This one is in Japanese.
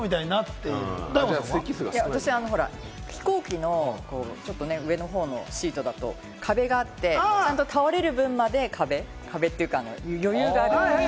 私は、飛行機のちょっと上の方のシートだと、壁があって、ちゃんと倒れる分まで壁というか、余裕がある。